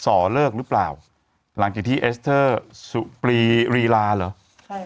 อเลิกหรือเปล่าหลังจากที่เอสเตอร์สุปรีรีลาเหรอใช่